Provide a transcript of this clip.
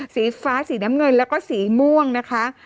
สีฟ้าสีน้ำเงินแล้วก็สีม่วงนะคะ